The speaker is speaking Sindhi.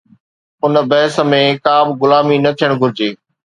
ان بحث ۾ ڪا به غلامي نه ٿيڻ گهرجي